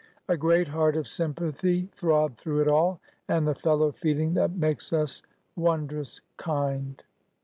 A great heart of sympathy throbbed through it all, and the fellow feeling that makes us wondrous kind.